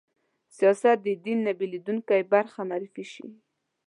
سیاست د دین نه بېلېدونکې برخه معرفي شي